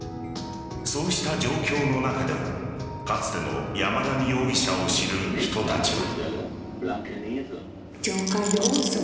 そうした状況の中でもかつての山上容疑者を知る人たちは。